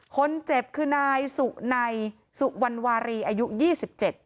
คนเจ็บคือนายสุนัยสุวรรณวารีอายุยี่สิบเจ็ด